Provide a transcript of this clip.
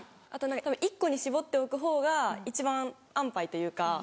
１個に絞っておくほうが一番安パイというか。